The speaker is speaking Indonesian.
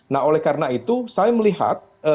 nah oleh karena itu saya melihat